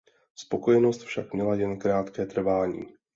Spokojenost však měla jen krátké trvání.